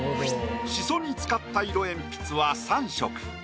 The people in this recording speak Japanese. シソに使った色鉛筆は３色。